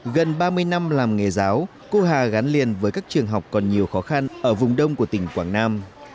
gần ba mươi năm làm nghề giáo cô hà gắn liền với các trường học còn nhiều khó khăn ở vùng đông của tỉnh quảng nam